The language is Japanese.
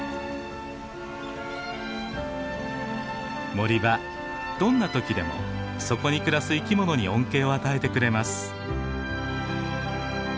森はどんな時でもそこに暮らす生き物に恩恵を与えてくれます。